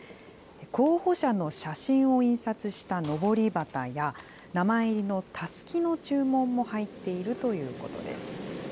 候補者の写真を印刷したのぼり旗や、名前入りのたすきの注文も入っているということです。